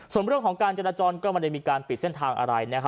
ส่วนเรื่องของการจราจรก็ไม่ได้มีการปิดเส้นทางอะไร